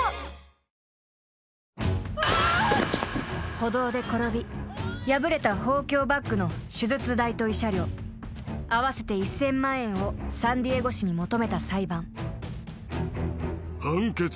［歩道で転び破れた豊胸バッグの手術代と慰謝料合わせて１，０００万円をサンディエゴ市に求めた裁判］